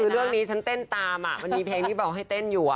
คือเรื่องนี้ฉันเต้นตามมันมีเพลงที่บอกให้เต้นอยู่